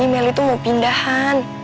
meli tuh mau pindahan